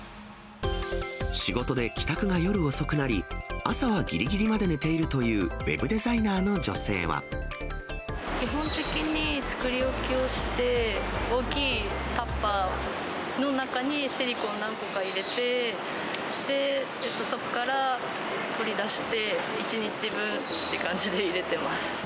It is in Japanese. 仕事で帰宅が夜遅くなり、朝はぎりぎりまで寝ているという、基本的に作り置きをして、大きいタッパーの中にシリコーン何個か入れて、そこから取り出して、１日分って感じで入れてます。